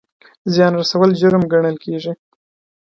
زیان رسول جرم ګڼل کیږي